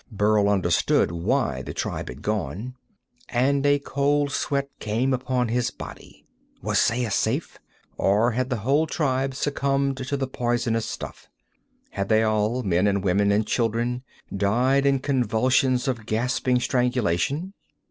Burl understood why the tribe had gone, and a cold sweat came upon his body. Was Saya safe, or had the whole tribe succumbed to the poisonous stuff? Had they all, men and women and children, died in convulsions of gasping strangulation?